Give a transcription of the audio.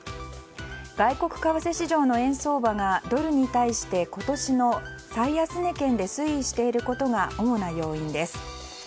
外国為替市場の円相場がドルに対して今年の最安値圏で推移していることが主な要因です。